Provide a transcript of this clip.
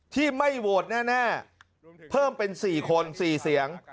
ที่ไม่โหวตแน่เพิ่มเป็น๔คน๔เสียง